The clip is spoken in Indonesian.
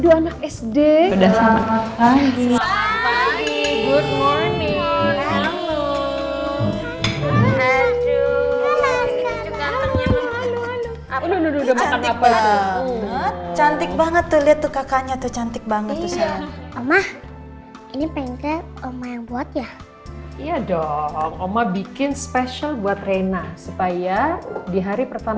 akhirnya juga kita habis latihan